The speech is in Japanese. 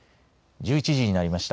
１１時になりました。